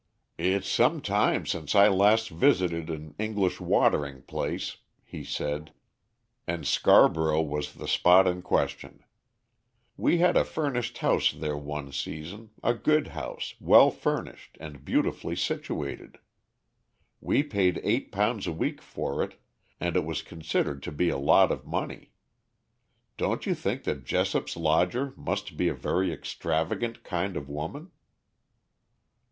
"It's some time since I last visited an English watering place," he said, "and Scarborough was the spot in question. We had a furnished house there one season, a good house, well furnished, and beautifully situated. We paid eight pounds a week for it, and it was considered to be a lot of money. Don't you think that Jessop's lodger must be a very extravagant kind of woman?"